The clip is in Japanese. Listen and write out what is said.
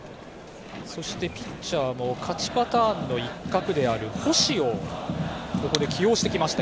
そしてピッチャーも勝ちパターンの一角である星を、ここで起用してきました。